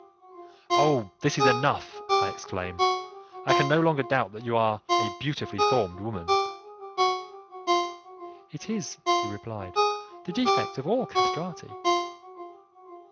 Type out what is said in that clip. "Oh! this is enough," I exclaimed; "I can no longer doubt that you are a beautifully formed woman!" "It is," he replied, "the defect of all castrati."